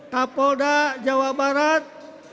kapolda jawa barat